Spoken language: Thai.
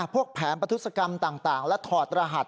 แผนประทุศกรรมต่างและถอดรหัส